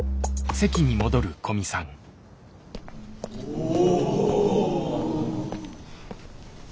おお。